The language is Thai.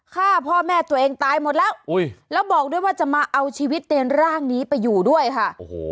ฆ่าพ่อแม่ตัวเองตายหมดแล้วแล้วบอกด้วยว่าจะมาเอาชีวิตเตียนร่างนี้ไปอยู่ด้วยค่ะโอ้โห